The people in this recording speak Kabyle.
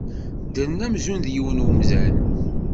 Ddren amzun d yiwen umdan.